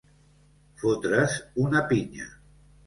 Fotre's una pinya.